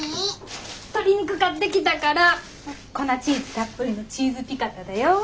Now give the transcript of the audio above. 鶏肉買ってきたから粉チーズたっぷりのチーズピカタだよ。